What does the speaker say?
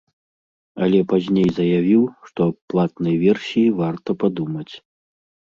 Але пазней заявіў, што аб платнай версіі варта падумаць.